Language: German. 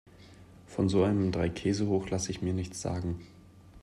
Von so einem Dreikäsehoch lasse ich mir nichts sagen.